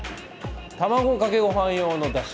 卵かけごはん用のだし！